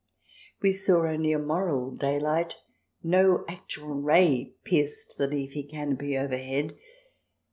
We saw only a moral daylight ; no actual ray pierced the leafy canopy overhead.